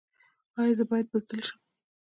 ایا زه باید بزدل شم؟